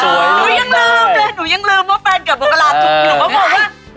หนูยังลืมแฟนหนูยังลืมว่าแฟนเกิดปกติหนูก็มองว่า